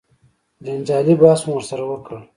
جنجالي بحث مو ورسره وکړ.